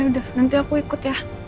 udah nanti aku ikut ya